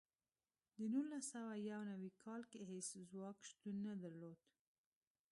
د نولس سوه یو نوي کال کې هېڅ ځواک شتون نه درلود.